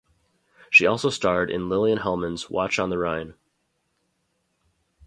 She also starred in Lillian Hellman's "Watch on the Rhine".